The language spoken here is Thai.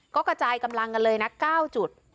ก็กระจายกำลังกันเลยนะ๙จุด